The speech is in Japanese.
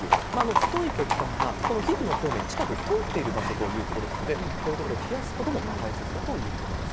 太い血管が、この皮膚の表面、近く通っている場所ということですので、こういうところを冷やすことも大切だということですね。